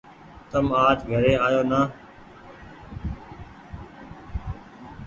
تم آج گهري آيو نآ ۔